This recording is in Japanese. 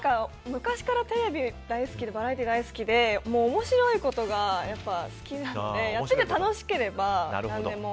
昔からテレビとかバラエティーが大好きで面白いことが好きなのでやってて楽しければ何でも。